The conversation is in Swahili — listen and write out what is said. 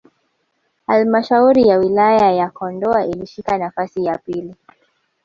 halmshauri ya wilaya ya Kondoa ilishika nafasi ya pili